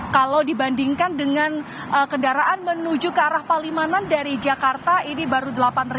kalau dibandingkan dengan kendaraan menuju ke arah palimanan dari jakarta ini baru delapan ratus